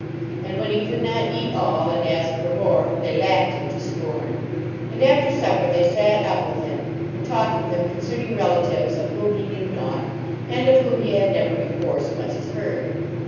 And when he could not cat all, and ask for more, they laughed him to scorn. And after supper, they sat up with him and talked with him concerning relatives of whom he knew naught, and of whom he had never before so much as heard.